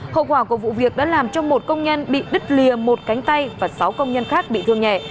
hậu quả của vụ việc đã làm cho một công nhân bị đứt lìa một cánh tay và sáu công nhân khác bị thương nhẹ